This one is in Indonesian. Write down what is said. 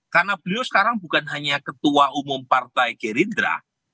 karena beliau sekarang bukan hanya ketua umum partai gerindra